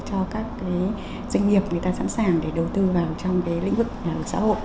cho các doanh nghiệp người ta sẵn sàng để đầu tư vào trong lĩnh vực nhà ở xã hội